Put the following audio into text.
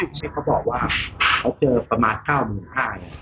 พี่เขาบอกว่าเขาเจอประมาทเก้าหมดภาย